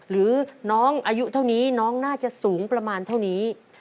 หรือน้องอายุเท่านี้น้องน่าจะสูงประมาณเท่านี้